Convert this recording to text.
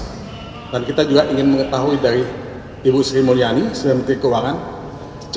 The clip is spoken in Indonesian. mudah mudahan mahkamah konstitusi melihat urgensi dari kehadiran menteri keuangan kehadiran menteri pmk dalam persidangan di mahkamah konstitusi